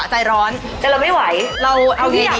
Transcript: ไก่เขาแบบมีความนุ่มมาครับ